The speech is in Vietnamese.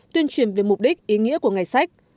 tuyên truyền về mục đích ý nghĩa của ngày sách